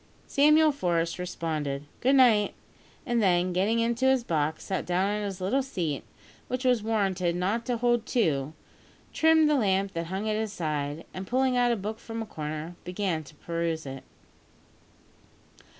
Samuel Forest responded "good night," and then, getting into his box, sat down on its little seat, which was warranted not to hold two, trimmed the lamp that hung at his side, and, pulling out a book from a corner, began to peruse it.